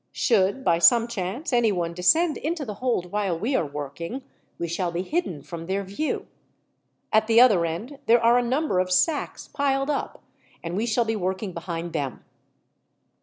Should, by some chance, anyone descend into the hold while we are working, we shall be hidden from their view. At the other end there are a number of sacks piled up, and we shall be working behind them."